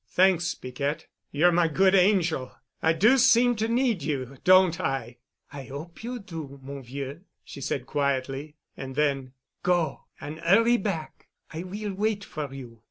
"Thanks, Piquette—you're my good angel. I do seem to need you, don't I?" "I 'ope you do, mon vieux," she said quietly. And then, "Go an' 'urry back. I will wait for you."